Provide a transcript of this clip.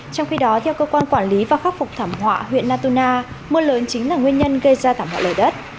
trong khi đó theo cơ quan quản lý và khắc phục thảm họa huyện natuna mưa lớn chính là nguyên nhân gây ra thảm họa lở đất